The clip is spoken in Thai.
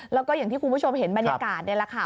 แล้วก็อย่างที่คุณผู้ชมเห็นบรรยากาศนี่แหละค่ะ